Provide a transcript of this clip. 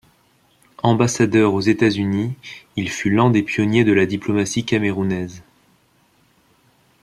Ambassadeur aux États-Unis, il fut l'un des pionniers de la diplomatie camerounaise.